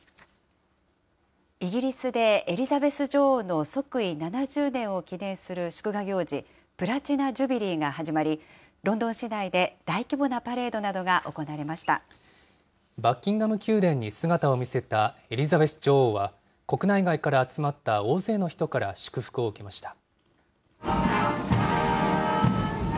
イギリスでエリザベス女王の即位７０年を記念する祝賀行事、プラチナ・ジュビリーが始まり、ロンドン市内で大規模なパレードバッキンガム宮殿に姿を見せたエリザベス女王は、国内外から集まった大勢の人から祝福を受けました。